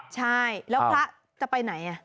ใช่แล้วพระจะไปไหน